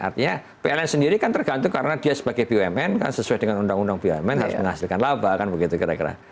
artinya pln sendiri kan tergantung karena dia sebagai bumn kan sesuai dengan undang undang bumn harus menghasilkan laba kan begitu kira kira